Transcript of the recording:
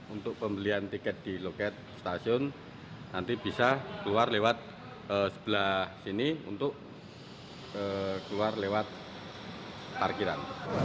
untuk pembelian tiket di loket stasiun nanti bisa keluar lewat sebelah sini untuk keluar lewat parkiran